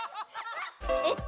えっと。